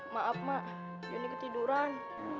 maaf mak ini ketiduran